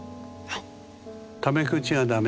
はい。